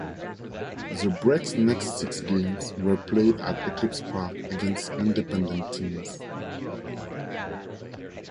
The Brecks next six games were played at Eclipse Park against independent teams.